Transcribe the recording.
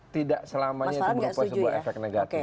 tidak selamanya itu berupa sebuah efek negatif